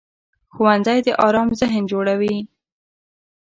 ښوونځی د ارام ذهن جوړوي